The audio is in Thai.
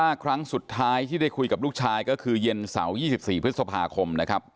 ครั้งสุดท้ายที่ได้คุยกับลูกชายก็คือเย็นเสาร์๒๔พฤษภาคมนะครับ